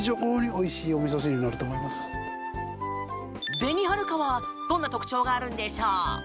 紅はるかはどんな特徴があるのでしょう。